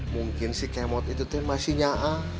mungkin si secondhand itu masih nyanga